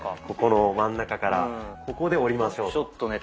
ここの真ん中からここで折りましょうと。